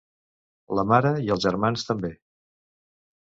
La mare i els germans, també.